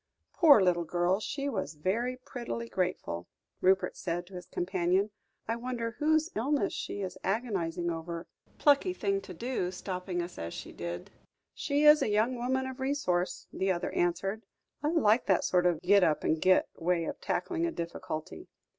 "Poor little girl, she was very prettily grateful," Rupert said to his companion. "I wonder whose illness she is agonising over. Plucky thing to do, stopping us as she did." "She is a young woman of resource," the other answered. "I like that sort of 'git up and git' way of tackling a difficulty.